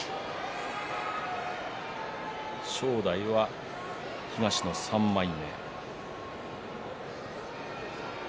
正代は東の３枚目。